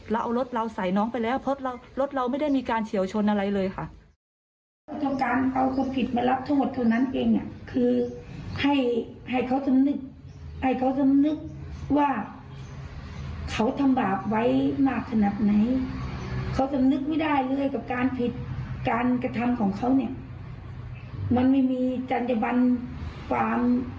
เราเอารถเราใส่น้องไปแล้วเพราะรถเราไม่ได้มีการเฉียวชนอะไรเลยค่ะ